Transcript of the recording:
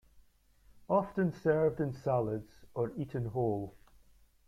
Often served in salads or eaten whole.